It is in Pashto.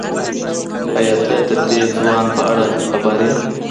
ایا ته د دې ځوان په اړه خبر یې؟